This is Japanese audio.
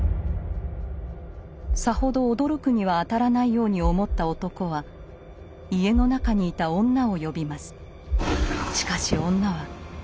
さほど驚くには当たらないように思った男は家の中に居た女を呼びます。